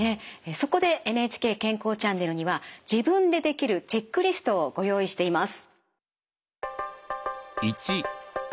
そこで「ＮＨＫ健康チャンネル」には自分でできるチェックリストをご用意しています。